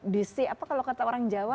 dc apa kalau kata orang jawa